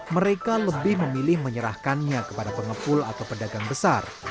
mereka lebih memilih menyerahkannya kepada pengepul atau pedagang besar